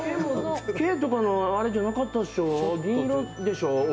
毛とかのあれとかじゃなかったでしょ？